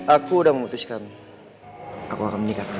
aku udah memutuskan aku akan menikah sama kamu